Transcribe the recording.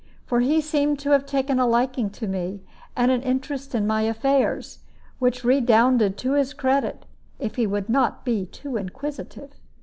For he seemed to have taken a liking toward me, and an interest in my affairs, which redounded to his credit, if he would not be too inquisitive.